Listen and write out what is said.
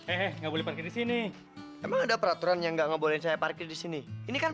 eh nggak boleh parkir di sini emang ada peraturan yang nggak boleh saya parkir di sini ini kan